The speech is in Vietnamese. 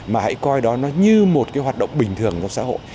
mà hãy coi đó như một cái hoạt động bình thường trong xã hội